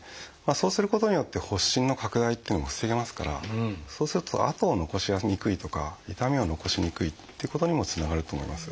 そうすることによって発疹の拡大というのも防げますからそうすると痕を残しにくいとか痛みを残しにくいってことにもつながると思います。